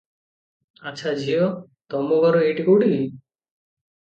ଆଚ୍ଛା, ଝିଅ, ତମଘର ଏଇଠି କୁଠି କି?”